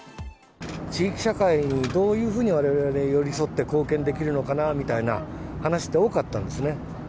地域社会にどういうふうにわれわれ寄り添って、貢献できるのかなみたいな話って、多かったんですね。